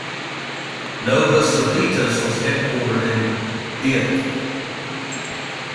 Nova Civitas was headquartered in Ghent.